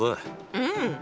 うん。